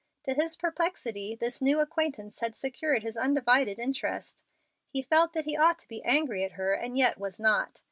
To his perplexity this new acquaintance had secured his undivided interest. He felt that he ought to be angry at her and yet was not.